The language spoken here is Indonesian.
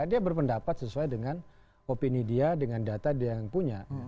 dia berpendapat sesuai dengan opini dia dengan data dia yang punya